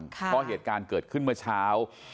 เพราะเหตุการณ์เกิดขึ้นเมื่อเช้า